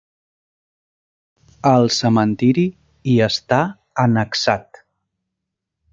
El cementiri hi està annexat.